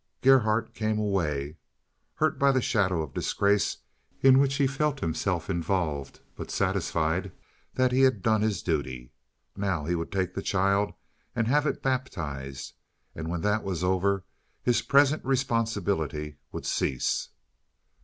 Gerhardt came away, hurt by the shadow of disgrace in which he felt himself involved, but satisfied that he had done his duty. Now he would take the child and have it baptized, and when that was over his present responsibility would cease.